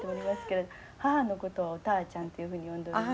母のことはおたあちゃんというふうに呼んでおります。